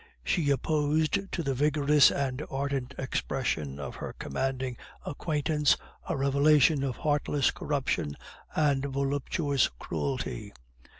She opposed to the vigorous and ardent expression of her commanding acquaintance a revelation of heartless corruption and voluptuous cruelty.